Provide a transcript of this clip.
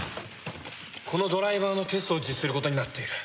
このドライバーのテストを実施することになっている。